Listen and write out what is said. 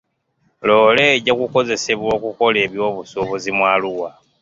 Lole ejja kukozesebwa okukola eby'obusuubuzi mu Arua